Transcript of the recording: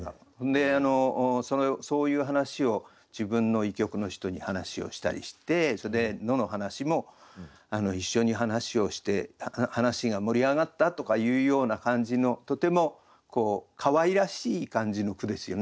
でそういう話を自分の医局の人に話をしたりしてそれで野の話も一緒に話をして話が盛り上がったとかいうような感じのとてもかわいらしい感じの句ですよね。